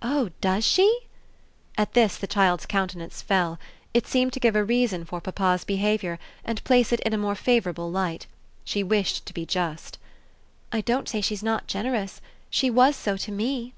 "Oh DOES she?" At this the child's countenance fell: it seemed to give a reason for papa's behaviour and place it in a more favourable light. She wished to be just. "I don't say she's not generous. She was so to me."